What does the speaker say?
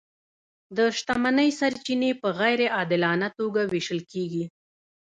د شتمنۍ سرچینې په غیر عادلانه توګه وېشل کیږي.